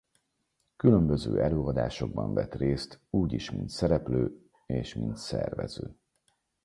Különböző előadásokban vett részt úgy is mint szereplő és mint szervező.